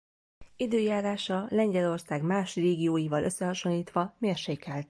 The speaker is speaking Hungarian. Időjárása Lengyelország más régióival összehasonlítva mérsékelt.